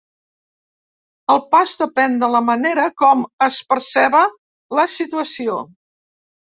El pas depèn de la manera com es perceba la situació.